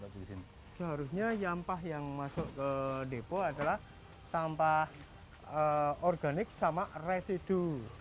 seharusnya sampah yang masuk ke depo adalah sampah organik sama residu